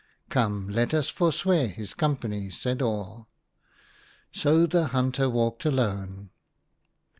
" Come, let us forswear his company," said all. So the hunter walked alone.